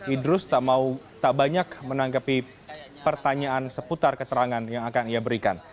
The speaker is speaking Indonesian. idrus tak banyak menanggapi pertanyaan seputar keterangan yang akan ia berikan